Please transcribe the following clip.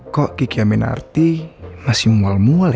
kok kiki aminarti masih mual mual ya